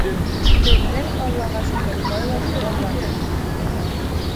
Беҙҙең, аллаға шөкөр, байлығыбыҙ бар.